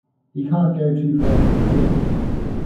He can't go too fast for me.